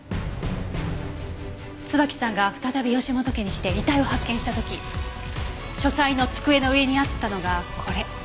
椿さんが再び義本家に来て遺体を発見した時書斎の机の上にあったのがこれ。